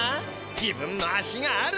自分の足がある！